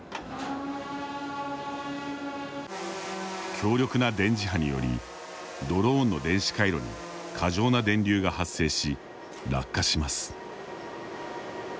強力な電磁波によりドローンの電子回路に過剰な電流が発生し、落下します。